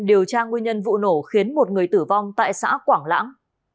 điều tra nguyên nhân vụ nổ khiến một người tử vong tại xã quảng lãng